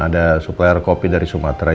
ada supplier kopi dari sumatera